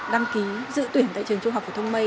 đăng ký dự tuyển tại trường trung học phổ thông mây